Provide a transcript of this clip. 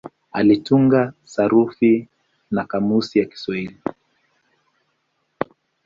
Alitunga sarufi na kamusi ya Kiswahili.